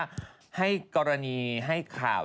แก้ว่านิงปนิตาร์เขางดการให้กรณีให้ข่าว